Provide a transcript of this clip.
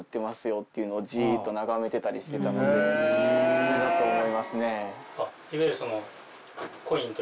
それだと思いますね。